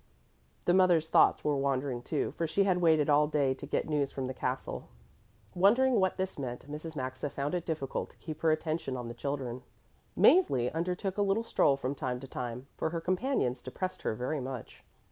The mother's thoughts were wandering, too, for she had waited all day to get news from the castle. Wondering what this meant, Mrs. Maxa found it difficult to keep her attention on the children. Mäzli undertook a little stroll from time to time, for her companions depressed her very much.